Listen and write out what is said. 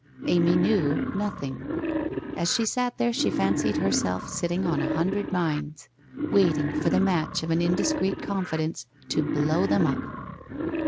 Amy knew nothing. As she sat there she fancied herself sitting on a hundred mines, waiting for the match of an indiscreet confidence to blow thrm up.